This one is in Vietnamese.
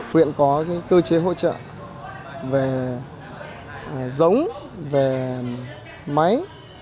huyện có cơ chế hỗ trợ về giống về máy